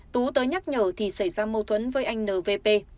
tú tới nhắc nhở thì xảy ra mâu thuẫn với anh nvp